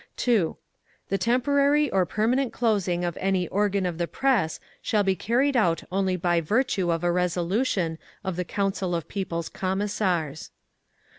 2. The temporary or permanent closing of any organ of the press shall be carried out only by virtue of a resolution of the Council of People's Commissars.